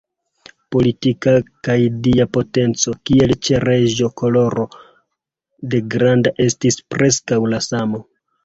Politika kaj dia potenco, kiel ĉe reĝo Karolo la Granda, estis preskaŭ la samo.